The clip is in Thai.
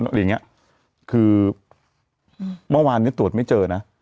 อะไรอย่างเงี้ยคือเมื่อวานนี้ตรวจไม่เจอนะ